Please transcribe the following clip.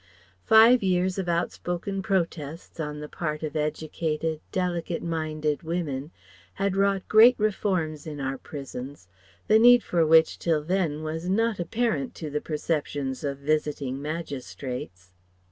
Five years of outspoken protests on the part of educated, delicate minded women had wrought great reforms in our prisons the need for which till then was not apparent to the perceptions of Visiting Magistrates.